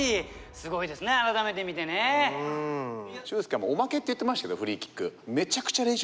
もう「おまけ」って言ってましたけどフリーキック。